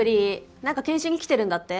なんか研修に来てるんだって？